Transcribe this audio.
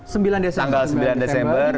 tanggal sembilan desember